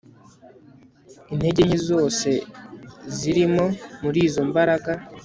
intege nke zose zirimo muri zo imbaraga